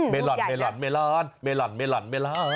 เมลอนเมลอนเมลอนเมลอนเมลอนเมลอน